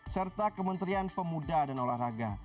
serta kementerian pemuda dan olahraga